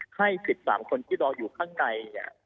ให้๑๓คนที่รออยู่ข้างใน